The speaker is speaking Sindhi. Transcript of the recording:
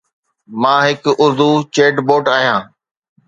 مان هڪ اردو چيٽ بوٽ آهيان.